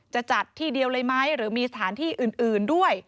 จะจัดที่เดียวเลยไหมหรือมีสถานที่อื่นด้วย